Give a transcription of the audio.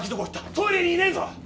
トイレにいねぇぞ！